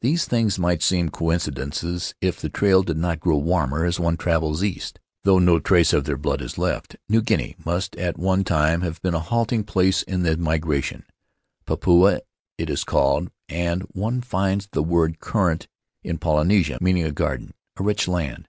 These things might seem coincidences if the trail did not grow warmer as one travels east. "Though no trace of their blood is left, New Guinea must at one time have been a halting place in the Faery Lands of the South Seas migration. Papua it is called, and one finds the word current in Polynesia, meaning a garden, a rich land.